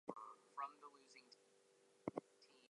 To tread on a man's shadow is a serious offense.